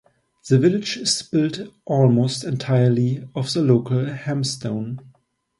The village is built almost entirely of the local hamstone.